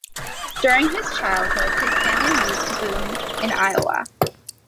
During his childhood, his family moved to Boone in Iowa.